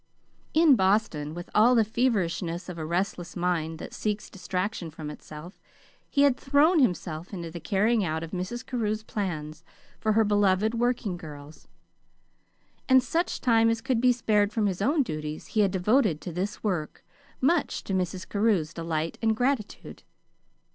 In Boston, with all the feverishness of a restless mind that seeks distraction from itself, he had thrown himself into the carrying out of Mrs. Carew's plans for her beloved working girls, and such time as could be spared from his own duties he had devoted to this work, much to Mrs. Carew's delight and gratitude.